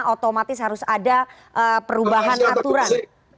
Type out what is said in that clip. otomatis harus ada perubahan aturan